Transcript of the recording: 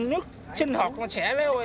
mùi chất thải gia súc